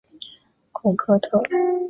孔科特。